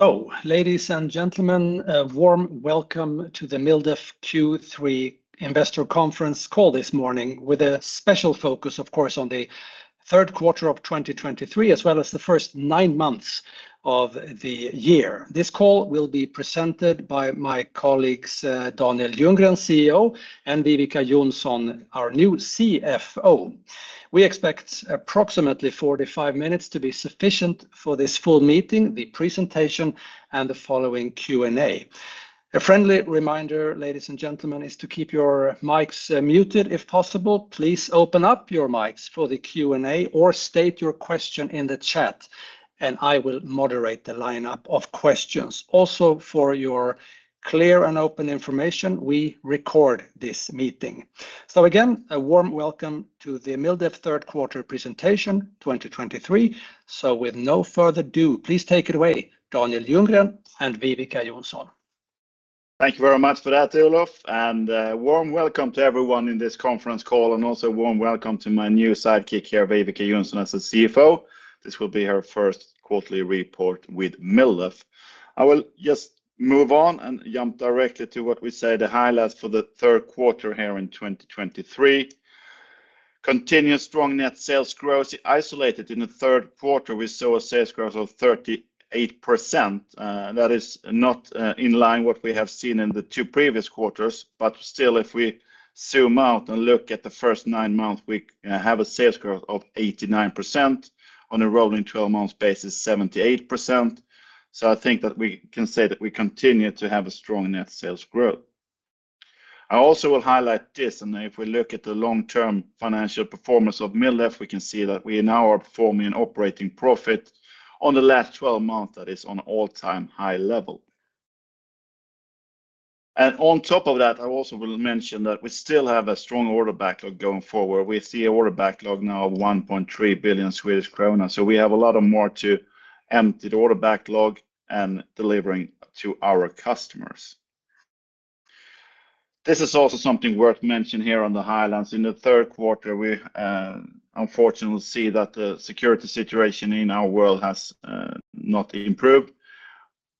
Hello, ladies and gentlemen, a warm welcome to the MilDef Q3 Investor Conference call this morning, with a special focus, of course, on the third quarter of 2023, as well as the first nine months of the year. This call will be presented by my colleagues, Daniel Ljunggren, CEO, and Viveca Johnsson, our new CFO. We expect approximately 45 minutes to be sufficient for this full meeting, the presentation and the following Q&A. A friendly reminder, ladies and gentlemen, is to keep your mics muted if possible. Please open up your mics for the Q&A or state your question in the chat, and I will moderate the lineup of questions. Also, for your clear and open information, we record this meeting. So again, a warm welcome to the MilDef third quarter presentation, 2023. With no further ado, please take it away, Daniel Ljunggren and Viveca Johnsson. Thank you very much for that, Olof, and a warm welcome to everyone in this conference call, and also a warm welcome to my new sidekick here, Viveca Johnsson, as the CFO. This will be her first quarterly report with MilDef. I will just move on and jump directly to what we say, the highlights for the third quarter here in 2023. Continuous strong net sales growth. Isolated in the third quarter, we saw a sales growth of 38%. That is not in line what we have seen in the 2 previous quarters, but still, if we zoom out and look at the first 9 months, we have a sales growth of 89%. On a rolling 12-month basis, 78%. So I think that we can say that we continue to have a strong net sales growth. I also will highlight this, and if we look at the long-term financial performance of MilDef, we can see that we now are performing an operating profit on the last twelve months that is on all-time high level. And on top of that, I also will mention that we still have a strong order backlog going forward. We see an order backlog now of 1.3 billion Swedish krona. So we have a lot more to empty the order backlog and delivering to our customers. This is also something worth mentioning here on the highlights. In the third quarter, we unfortunately see that the security situation in our world has not improved.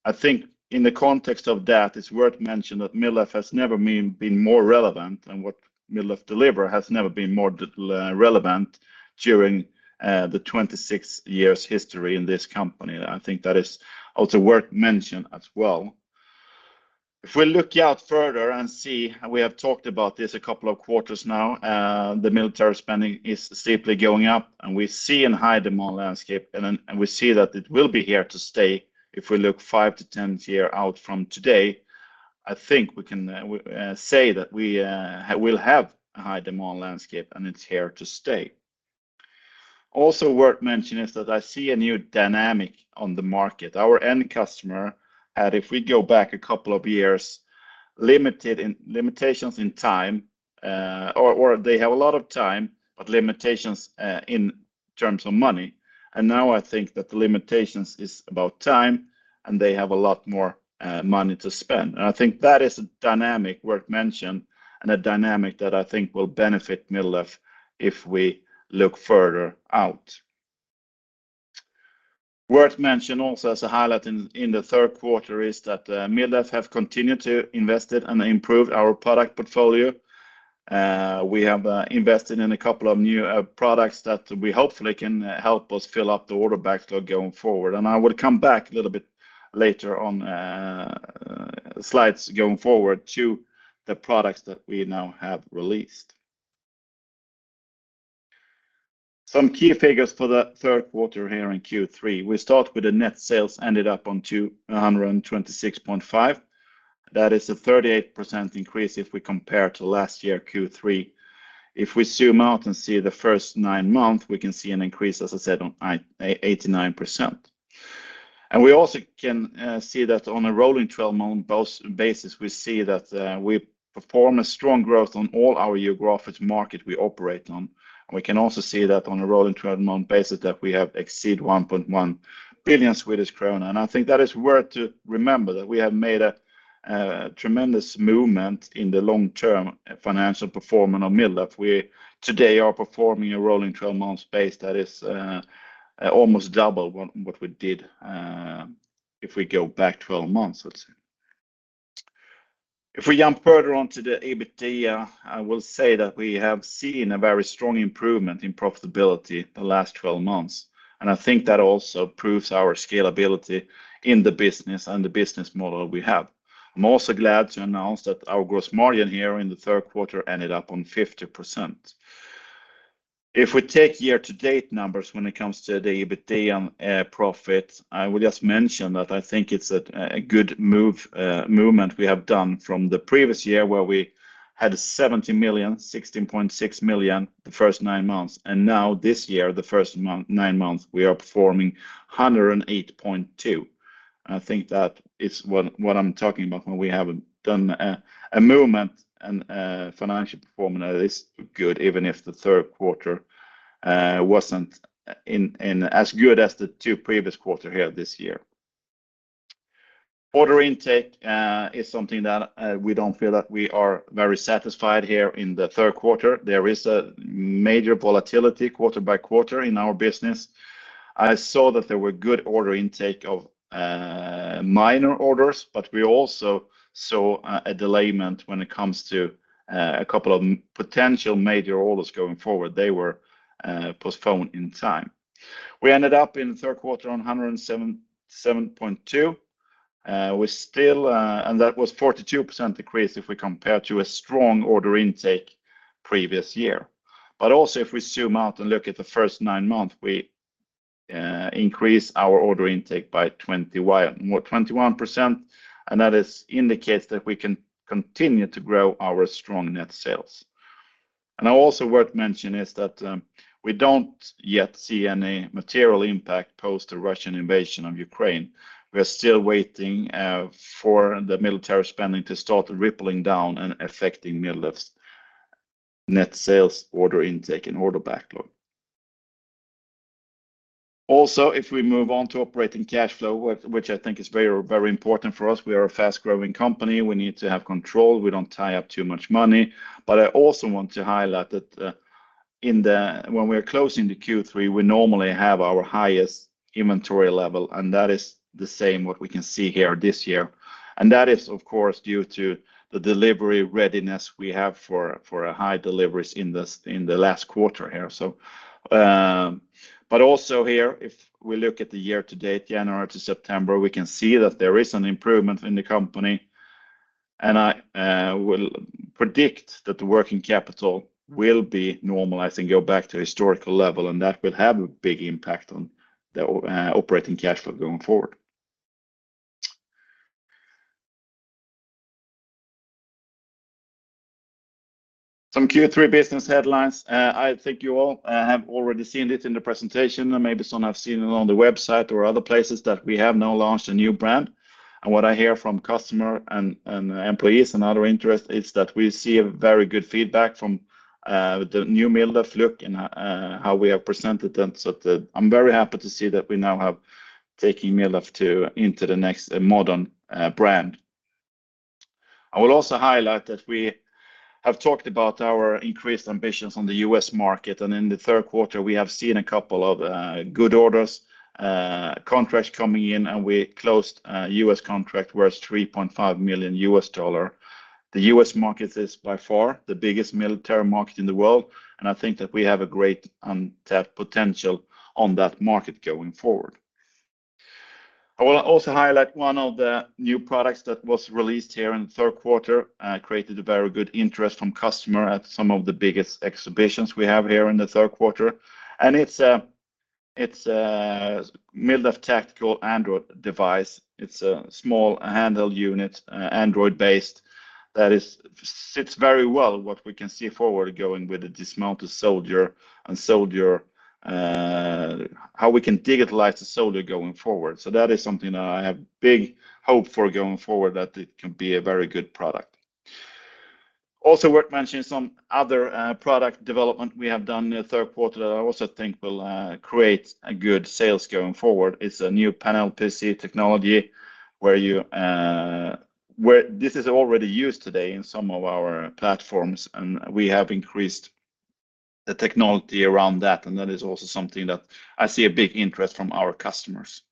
I think in the context of that, it's worth mentioning that MilDef has never been more relevant and what MilDef deliver has never been more relevant during the 26 years history in this company. I think that is also worth mention as well. If we look out further and see, and we have talked about this a couple of quarters now, the military spending is steeply going up, and we see in high demand landscape, and we see that it will be here to stay. If we look 5-10 year out from today, I think we can say that we we'll have a high demand landscape, and it's here to stay. Also worth mentioning is that I see a new dynamic on the market. Our end customer had, if we go back a couple of years, limited limitations in time, or they have a lot of time, but limitations in terms of money. And now I think that the limitations is about time, and they have a lot more money to spend. And I think that is a dynamic worth mention and a dynamic that I think will benefit MilDef if we look further out. Worth mention also as a highlight in the third quarter is that MilDef have continued to invest in and improve our product portfolio. We have invested in a couple of new products that we hopefully can help us fill up the order backlog going forward. And I will come back a little bit later on slides going forward to the products that we now have released. Some key figures for the third quarter here in Q3. We start with the net sales, ended up on 226.5. That is a 38% increase if we compare to last year, Q3. If we zoom out and see the first nine months, we can see an increase, as I said, on 89%. We also can see that on a rolling twelve-month basis, we see that we perform a strong growth on all our geographic market we operate on. We can also see that on a rolling twelve-month basis, that we have exceed 1.1 billion Swedish krona. I think that is worth to remember that we have made a, a tremendous movement in the long-term financial performance of MilDef, where today are performing a rolling 12-month basis that is almost double what, what we did if we go back 12 months, let's say. If we jump further on to the EBITDA, I will say that we have seen a very strong improvement in profitability the last 12 months, and I think that also proves our scalability in the business and the business model we have. I'm also glad to announce that our gross margin here in the third quarter ended up on 50%. If we take year-to-date numbers when it comes to the EBITDA profit, I will just mention that I think it's a good movement we have done from the previous year, where we had 70 million, 16.6 million, the first nine months, and now this year, the first nine months, we are performing 108.2 million. I think that it's what I'm talking about when we have done a movement and financial performance is good, even if the third quarter wasn't as good as the two previous quarters here this year. Order intake is something that we don't feel that we are very satisfied here in the third quarter. There is a major volatility quarter by quarter in our business. I saw that there were good order intake of minor orders, but we also saw a delay when it comes to a couple of potential major orders going forward. They were postponed in time. We ended up in the third quarter on 107.7 SEK. We still and that was 42% increase if we compare to a strong order intake previous year. But also, if we zoom out and look at the first nine months, we increase our order intake by 21, more 21%, and that indicates that we can continue to grow our strong net sales. And also worth mentioning is that we don't yet see any material impact post the Russian invasion of Ukraine. We're still waiting for the military spending to start rippling down and affecting MilDef's net sales, order intake and order backlog. Also, if we move on to operating cash flow, which I think is very, very important for us, we are a fast-growing company. We need to have control. We don't tie up too much money. But I also want to highlight that when we are closing the Q3, we normally have our highest inventory level, and that is the same what we can see here this year. And that is, of course, due to the delivery readiness we have for a high deliveries in the last quarter here so... But also here, if we look at the year to date, January to September, we can see that there is an improvement in the company, and I will predict that the working capital will be normalizing, go back to historical level, and that will have a big impact on the operating cash flow going forward. Some Q3 business headlines. I think you all have already seen it in the presentation, and maybe some have seen it on the website or other places, that we have now launched a new brand. And what I hear from customer and employees and other interests is that we see a very good feedback from the new MilDef look and how we have presented them. So I'm very happy to see that we now have taken MilDef into the next modern brand. I will also highlight that we have talked about our increased ambitions on the U.S. market, and in the third quarter, we have seen a couple of good orders, contracts coming in, and we closed a U.S. contract worth $3.5 million. The U.S. market is by far the biggest military market in the world, and I think that we have a great untapped potential on that market going forward. I will also highlight one of the new products that was released here in the third quarter, created a very good interest from customer at some of the biggest exhibitions we have here in the third quarter. And it's a MilDef Tactical Android Device. It's a small handheld unit, Android-based, that is, sits very well what we can see forward going with the dismounted soldier and soldier, how we can digitalize the soldier going forward. So that is something I have big hope for going forward, that it can be a very good product. Also worth mentioning, some other, product development we have done in the third quarter that I also think will, create a good sales going forward is a new panel PC technology, where you, where this is already used today in some of our platforms, and we have increased the technology around that, and that is also something that I see a big interest from our customers.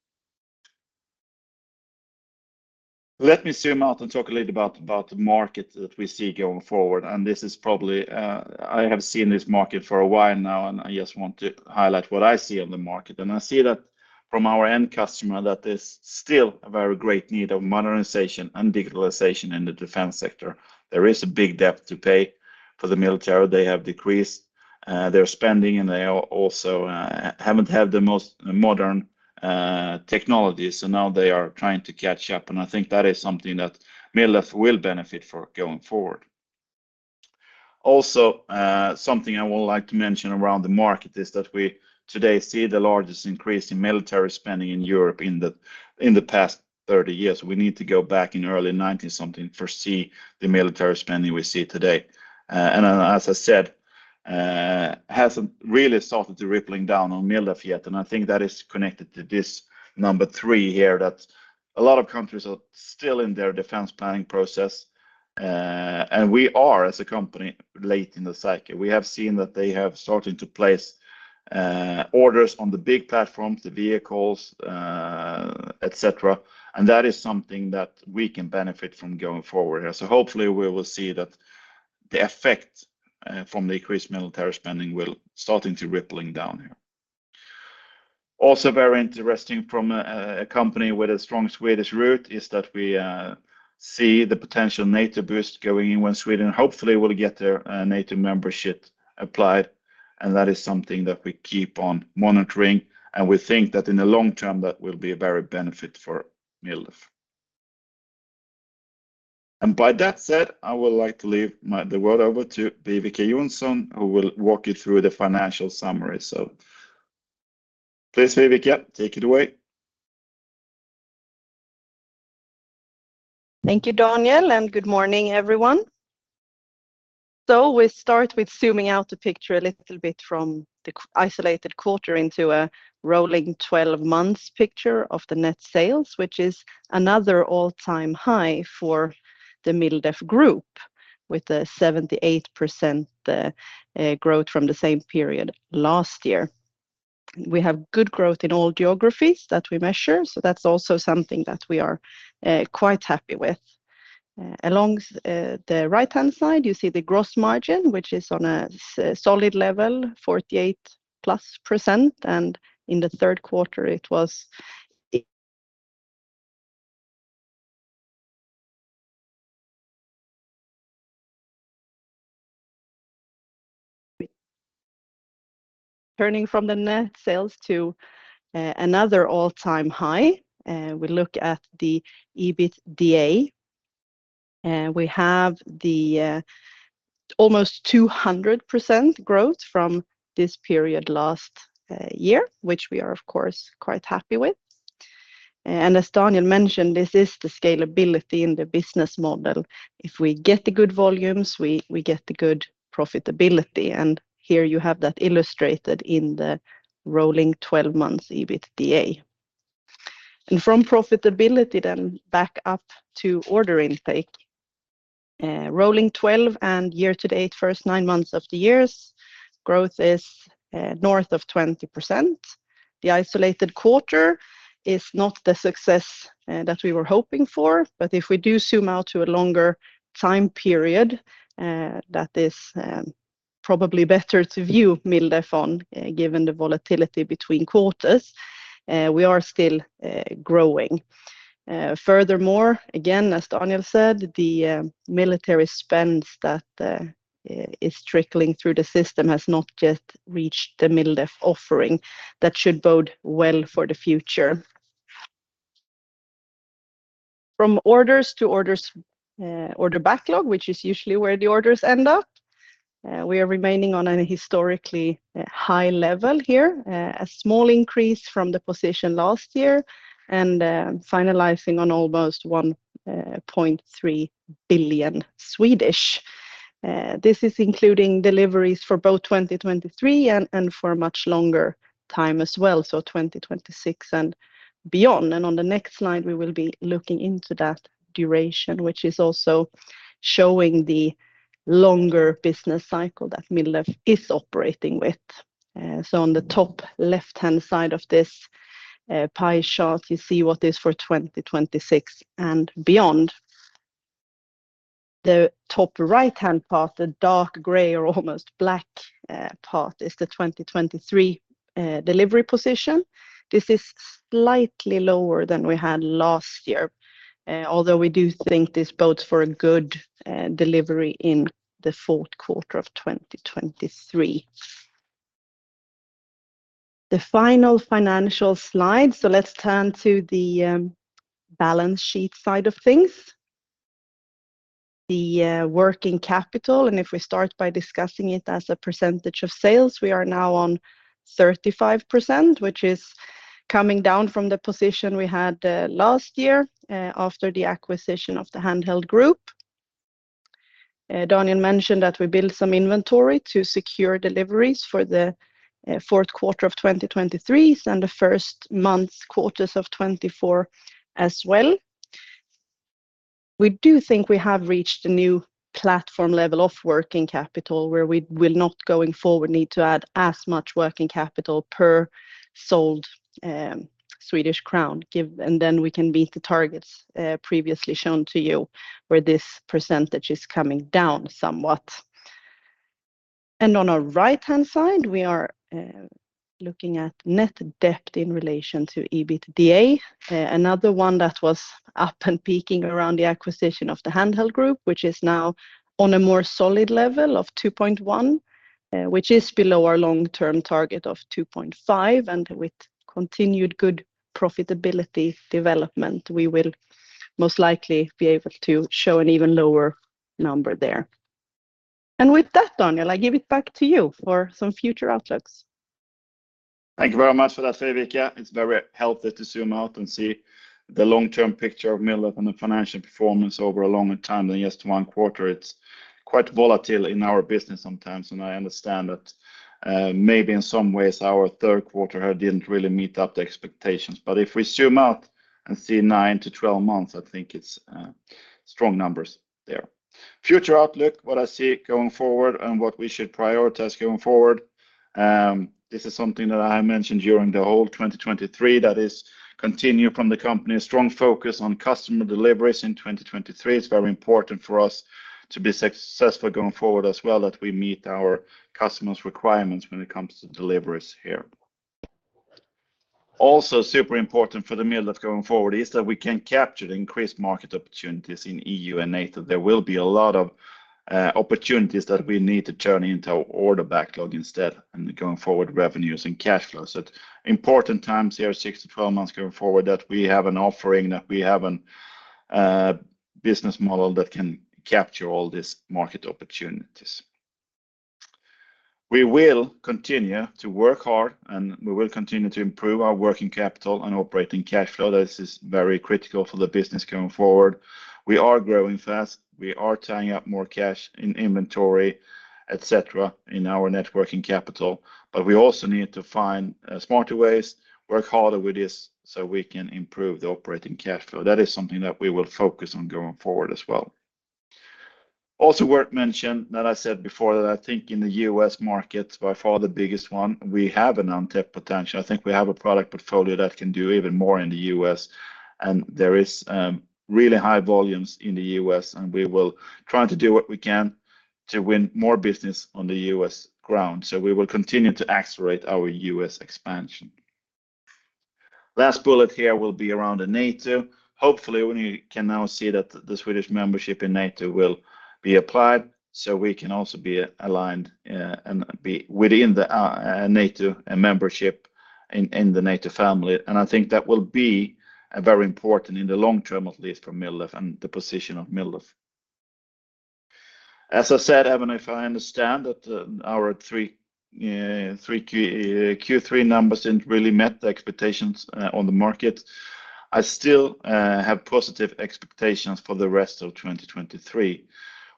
Let me zoom out and talk a little about the market that we see going forward, and this is probably I have seen this market for a while now, and I just want to highlight what I see on the market. And I see that from our end customer, that there's still a very great need of modernization and digitalization in the defense sector. There is a big debt to pay for the military. They have decreased their spending, and they also haven't had the most modern technology, so now they are trying to catch up, and I think that is something that MilDef will benefit for going forward. Also, something I would like to mention around the market is that we today see the largest increase in military spending in Europe in the past 30 years. We need to go back in early 1990s, something to foresee the military spending we see today. And as I said, hasn't really started to rippling down on MilDef yet, and I think that is connected to this number three here, that a lot of countries are still in their defense planning process. And we are, as a company, late in the cycle. We have seen that they have started to place, orders on the big platforms, the vehicles, et cetera, and that is something that we can benefit from going forward. So hopefully, we will see that the effect, from the increased military spending will starting to rippling down here. Also, very interesting from a, a company with a strong Swedish root is that we see the potential NATO boost going in when Sweden hopefully will get their NATO membership applied, and that is something that we keep on monitoring, and we think that in the long term, that will be a better benefit for MilDef. And by that said, I would like to leave my, the word over to Viveca Johnsson, who will walk you through the financial summary. So please, Viveca, take it away. Thank you, Daniel, and good morning, everyone. We start with zooming out the picture a little bit from the isolated quarter into a rolling twelve months picture of the net sales, which is another all-time high for the MilDef Group with a 78% growth from the same period last year. We have good growth in all geographies that we measure, so that's also something that we are quite happy with. Along the right-hand side, you see the gross margin, which is on a solid level, 48%+, and in the third quarter, it was turning from the net sales to another all-time high. We look at the EBITDA, and we have almost 200% growth from this period last year, which we are, of course, quite happy with. As Daniel mentioned, this is the scalability in the business model. If we get the good volumes, we, we get the good profitability, and here you have that illustrated in the rolling twelve months EBITDA. From profitability then back up to order intake, rolling twelve and year to date, first nine months of the years, growth is north of 20%. The isolated quarter is not the success that we were hoping for, but if we do zoom out to a longer time period that is probably better to view MilDef on, given the volatility between quarters, we are still growing. Furthermore, again, as Daniel said, the military spends that is trickling through the system has not yet reached the MilDef offering. That should bode well for the future. From orders to orders, order backlog, which is usually where the orders end up, we are remaining on a historically high level here, a small increase from the position last year and, finalizing on almost 1.3 billion SEK. This is including deliveries for both 2023 and, and for a much longer time as well, so 2026 and beyond. And on the next slide, we will be looking into that duration, which is also showing the longer business cycle that MilDef is operating with. So on the top left-hand side of this pie chart, you see what is for 2026 and beyond. The top right-hand part, the dark gray or almost black part, is the 2023 delivery position. This is slightly lower than we had last year, although we do think this bodes for a good delivery in the fourth quarter of 2023. The final financial slide, so let's turn to the balance sheet side of things. The working capital, and if we start by discussing it as a percentage of sales, we are now on 35%, which is coming down from the position we had last year after the acquisition of the Handheld Group. Daniel mentioned that we built some inventory to secure deliveries for the fourth quarter of 2023 and the first month quarters of 2024 as well. We do think we have reached a new platform level of working capital, where we will not, going forward, need to add as much working capital per sold Swedish krona given, and then we can meet the targets previously shown to you, where this percentage is coming down somewhat. And on our right-hand side, we are looking at net debt in relation to EBITDA. Another one that was up and peaking around the acquisition of the Handheld Group, which is now on a more solid level of 2.1, which is below our long-term target of 2.5, and with continued good profitability development, we will most likely be able to show an even lower number there. And with that, Daniel, I give it back to you for some future outlooks. Thank you very much for that, Viveca. It's very healthy to zoom out and see the long-term picture of MilDef and the financial performance over a longer time than just one quarter. It's quite volatile in our business sometimes, and I understand that, maybe in some ways, our third quarter didn't really meet up the expectations. But if we zoom out and see nine to 12 months, I think it's strong numbers there. Future outlook, what I see going forward and what we should prioritize going forward, this is something that I mentioned during the whole 2023, that is continue from the company's strong focus on customer deliveries in 2023. It's very important for us to be successful going forward as well, that we meet our customers' requirements when it comes to deliveries here. Also, super important for the MilDef going forward is that we can capture the increased market opportunities in EU and NATO. There will be a lot of opportunities that we need to turn into order backlog instead, and going forward, revenues and cash flows. So important times here, 6-12 months going forward, that we have an offering, that we have an business model that can capture all these market opportunities.... We will continue to work hard, and we will continue to improve our working capital and operating cash flow. This is very critical for the business going forward. We are growing fast. We are tying up more cash in inventory et cetera, in our working capital, but we also need to find smarter ways to work harder with this so we can improve the operating cash flow. That is something that we will focus on going forward as well. Also worth mentioning, that I said before that I think in the US market, by far the biggest one, we have an untapped potential. I think we have a product portfolio that can do even more in the US, and there is really high volumes in the US, and we will try to do what we can to win more business on the US ground. So we will continue to accelerate our US expansion. Last bullet here will be around the NATO. Hopefully, we can now see that the Swedish membership in NATO will be applied, so we can also be aligned and be within the NATO and membership in the NATO family. I think that will be a very important in the long term, at least for MilDef and the position of MilDef. As I said, even if I understand that our Q3 numbers didn't really met the expectations on the market, I still have positive expectations for the rest of 2023.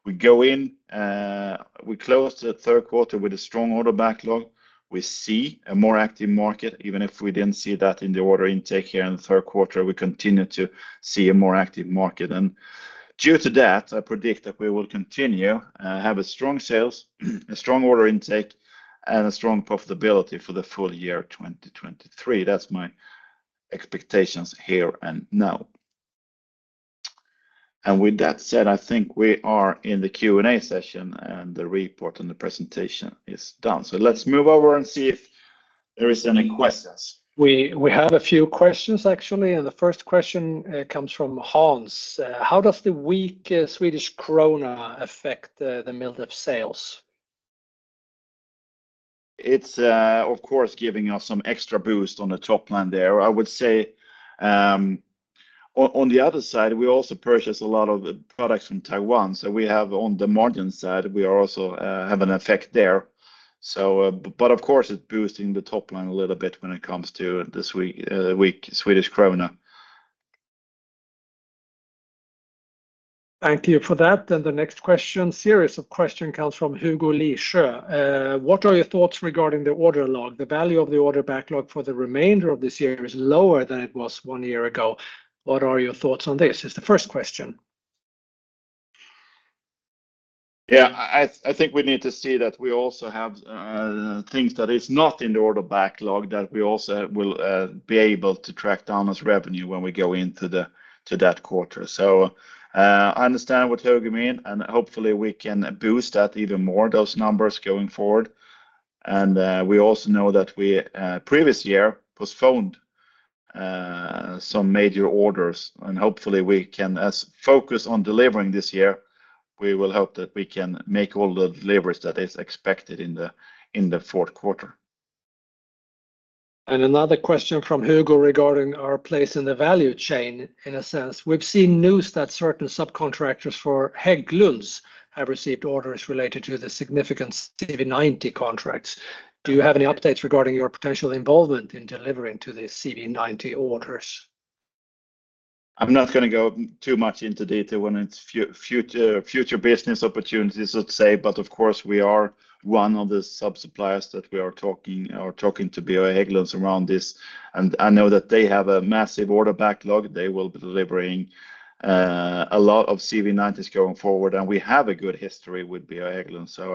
We go in, we closed the third quarter with a strong order backlog. We see a more active market, even if we didn't see that in the order intake here in the third quarter, we continue to see a more active market. And due to that, I predict that we will continue have a strong sales, a strong order intake, and a strong profitability for the full year 2023. That's my expectations here and now. With that said, I think we are in the Q&A session, and the report and the presentation is done. Let's move over and see if there is any questions. We have a few questions, actually, and the first question comes from Hans. "How does the weak Swedish krona affect the MilDef sales? It's, of course, giving us some extra boost on the top line there. I would say, on the other side, we also purchase a lot of products from Taiwan, so we have on the margin side, we are also have an effect there. So, but of course, it's boosting the top line a little bit when it comes to this weak Swedish krona. Thank you for that. The next question, series of questions comes from Hugo Lisjö. "What are your thoughts regarding the order backlog? The value of the order backlog for the remainder of this year is lower than it was one year ago. What are your thoughts on this?" Is the first question. Yeah, I, I think we need to see that we also have, things that is not in the order backlog, that we also will, be able to track down as revenue when we go into the, to that quarter. So, I understand what Hugo mean, and hopefully we can boost that even more, those numbers going forward. And, we also know that we, previous year postponed, some major orders, and hopefully, we can as focus on delivering this year, we will hope that we can make all the deliveries that is expected in the, in the fourth quarter. Another question from Hugo regarding our place in the value chain, in a sense: "We've seen news that certain subcontractors for Hägglunds have received orders related to the significant CV90 contracts. Do you have any updates regarding your potential involvement in delivering to the CV90 orders? I'm not going to go too much into detail when it's future business opportunities, let's say. But of course, we are one of the sub-suppliers that we are talking to BAE Hägglunds around this, and I know that they have a massive order backlog. They will be delivering a lot of CV90s going forward, and we have a good history with BAE Hägglunds, so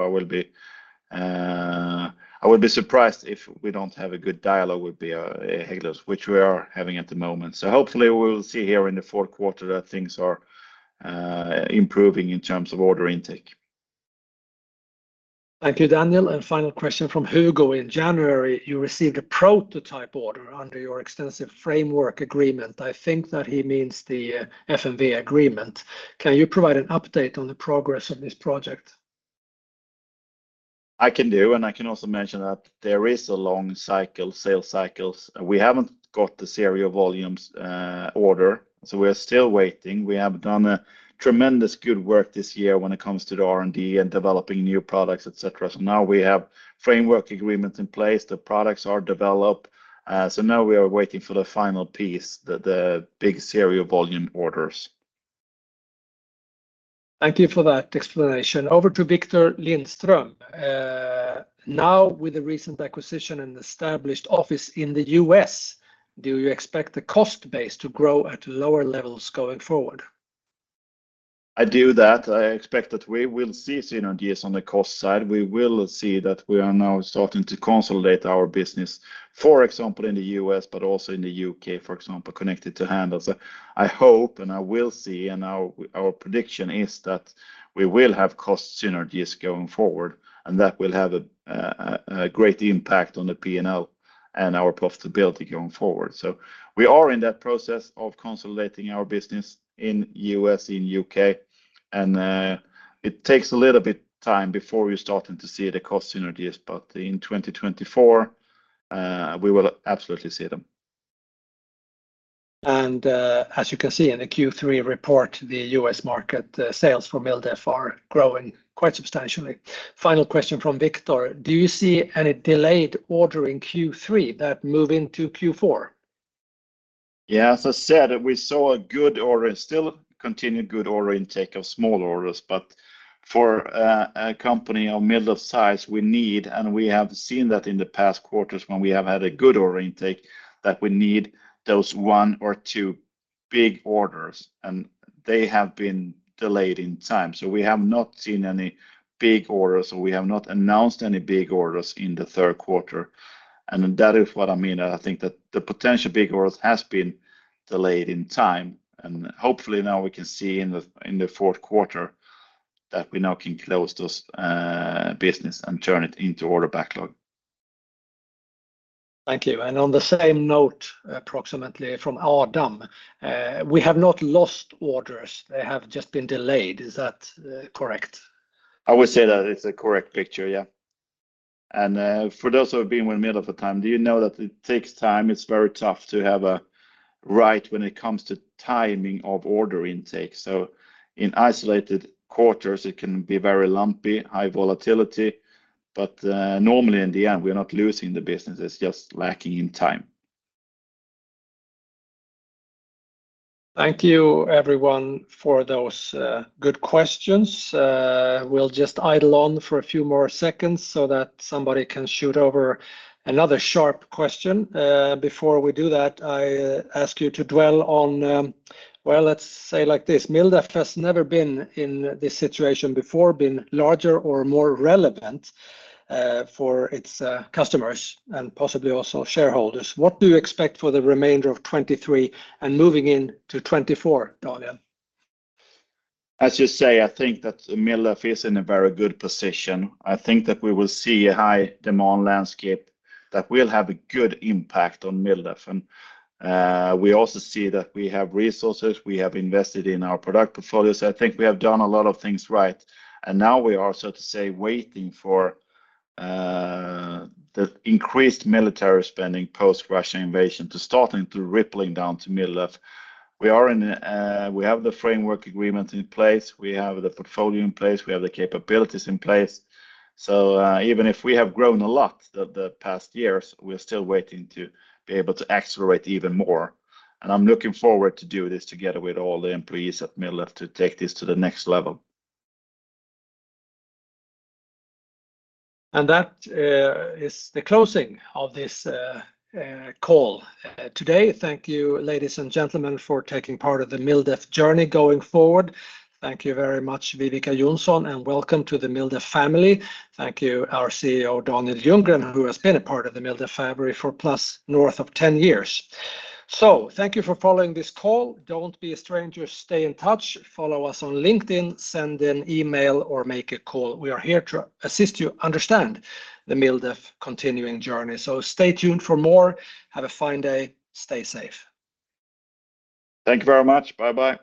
I would be surprised if we don't have a good dialogue with BAE Hägglunds, which we are having at the moment. So hopefully we will see here in the fourth quarter that things are improving in terms of order intake. Thank you, Daniel. And final question from Hugo: "In January, you received a prototype order under your extensive framework agreement." I think that he means the, FMV agreement. "Can you provide an update on the progress of this project? I can do, and I can also mention that there is a long cycle, sales cycles. We haven't got the serial volumes order, so we're still waiting. We have done a tremendous good work this year when it comes to the R&D and developing new products, et cetera. So now we have framework agreements in place, the products are developed, so now we are waiting for the final piece, the big serial volume orders. Thank you for that explanation. Over to Viktor Lindström. "Now, with the recent acquisition and established office in the US, do you expect the cost base to grow at lower levels going forward? I do that. I expect that we will see synergies on the cost side. We will see that we are now starting to consolidate our business, for example, in the U.S., but also in the U.K., for example, connected to Handheld. I hope, and I will see, and our prediction is that we will have cost synergies going forward, and that will have a great impact on the P&L and our profitability going forward. So we are in that process of consolidating our business in U.S., in U.K., and it takes a little bit time before we're starting to see the cost synergies, but in 2024, we will absolutely see them. ...And, as you can see in the Q3 report, the U.S. market, sales for MilDef are growing quite substantially. Final question from Victor: Do you see any delayed order in Q3 that move into Q4? Yeah, as I said, we saw a good order, still continued good order intake of small orders, but for a company of MilDef's size, we need, and we have seen that in the past quarters when we have had a good order intake, that we need those one or two big orders, and they have been delayed in time. So we have not seen any big orders, or we have not announced any big orders in the third quarter, and that is what I mean. I think that the potential big orders has been delayed in time, and hopefully now we can see in the fourth quarter that we now can close those business and turn it into order backlog. Thank you. And on the same note, approximately from Adam, we have not lost orders. They have just been delayed. Is that correct? I would say that it's a correct picture, yeah. And, for those who have been with MilDef at the time, do you know that it takes time? It's very tough to have a right when it comes to timing of order intake. So in isolated quarters, it can be very lumpy, high volatility, but, normally, in the end, we are not losing the business. It's just lacking in time. Thank you, everyone, for those good questions. We'll just idle on for a few more seconds so that somebody can shoot over another sharp question. Before we do that, I ask you to dwell on, well, let's say, like this, MilDef has never been in this situation before, been larger or more relevant for its customers and possibly also shareholders. What do you expect for the remainder of 2023 and moving into 2024, Daniel? As you say, I think that MilDef is in a very good position. I think that we will see a high demand landscape that will have a good impact on MilDef. And we also see that we have resources. We have invested in our product portfolios. I think we have done a lot of things right, and now we are, so to say, waiting for the increased military spending post-Russian invasion to start and to rippling down to MilDef. We are in. We have the framework agreement in place, we have the portfolio in place, we have the capabilities in place. So even if we have grown a lot the past years, we're still waiting to be able to accelerate even more. And I'm looking forward to do this together with all the employees at MilDef to take this to the next level. That is the closing of this call today. Thank you, ladies and gentlemen, for taking part of the MilDef journey going forward. Thank you very much, Viveca Johnsson, and welcome to the MilDef family. Thank you, our CEO, Daniel Ljunggren, who has been a part of the MilDef family for plus north of 10 years. So thank you for following this call. Don't be a stranger. Stay in touch. Follow us on LinkedIn, send an email, or make a call. We are here to assist you understand the MilDef continuing journey. So stay tuned for more. Have a fine day. Stay safe. Thank you very much. Bye-bye.